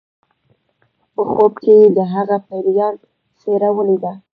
په خوب کې یې د هغه پیریان څیره ولیده